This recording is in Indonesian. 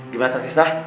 gimana saksi sah